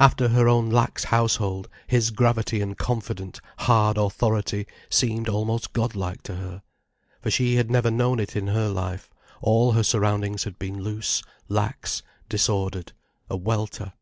After her own lax household, his gravity and confident, hard authority seemed almost God like to her. For she had never known it in her life, all her surroundings had been loose, lax, disordered, a welter.